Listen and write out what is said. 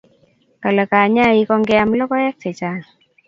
Kale kanyaik okeyam lokoek che chang